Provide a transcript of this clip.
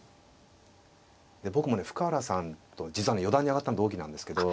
僕もね深浦さんと実はね四段に上がったの同期なんですけど。